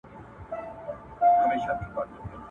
کډوال حقونه لري او باید خوندي وي.